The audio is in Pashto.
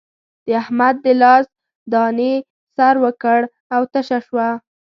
د احمد د لاس دانې سر وکړ او تشه شوه.